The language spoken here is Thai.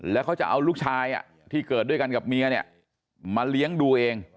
แล้วเขาจะเอาลูกชายที่เกิดด้วยกันกับเมียเนี่ยมาเลี้ยงดูเอง